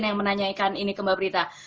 yang menanyakan ini ke mbak prita